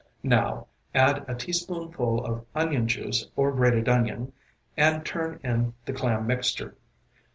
Now, add a teaspoonful of onion juice or grated onion, and turn in the clam mixture.